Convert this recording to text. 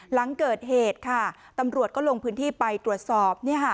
หลังเกิดเหตุค่ะตำรวจก็ลงพื้นที่ไปตรวจสอบ